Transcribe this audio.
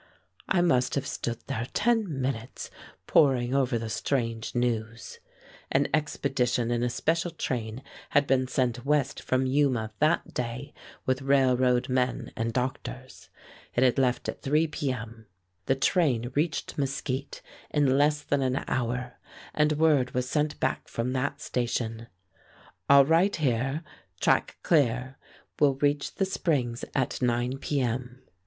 I must have stood there ten minutes poring over the strange news. An expedition in a special train had been sent west from Yuma that day, with railroad men and doctors. It had left at 3 P. M. The train reached Mesquite in less than an hour, and word was sent back from that station, "All right here; track clear; will reach the springs at 9 P. M."